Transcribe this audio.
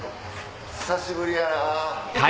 久しぶりやな。